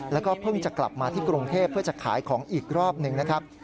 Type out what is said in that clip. แล้วก็เพิ่งจะกลับมาที่กรุงเทพเพื่อจะขายของอีกรอบหนึ่งนะครับ